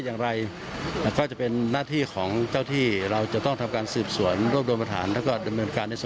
ถ้ามันเป็นเขาเขามันสามารถเดินไปมาหาสู่กันได้